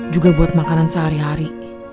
juga buat makanan sehari hari